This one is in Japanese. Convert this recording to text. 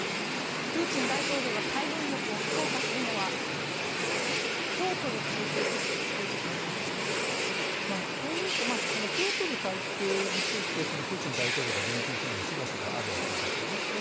プーチン大統領が海軍力を強化するのはピョートル大帝を意識していると思いますか？というかピョートル大帝についてプーチン大統領が言及するのはしばしばあるわけですね。